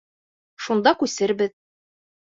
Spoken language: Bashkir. Шунда күсербеҙ.